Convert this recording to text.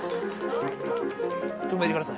止めてください。